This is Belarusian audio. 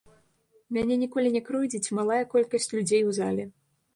Мяне ніколі не крыўдзіць малая колькасць людзей у зале.